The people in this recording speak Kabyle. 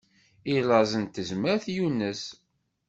I laẓ n tezmert yunez.